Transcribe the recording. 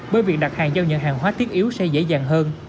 bởi việc đặt hàng giao nhận hàng hóa thiết yếu sẽ dễ dàng hơn